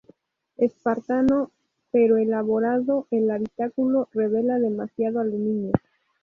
Espartano, pero elaborado, el habitáculo revela demasiado aluminio.